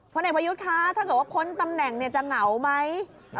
พลเอกพลยุทธ์คะถ้าเกิดว่าคนตำแหน่งจะเหงาไหม